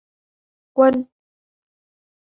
Quân